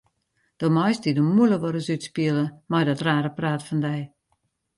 Do meist dy de mûle wolris útspiele mei dat rare praat fan dy.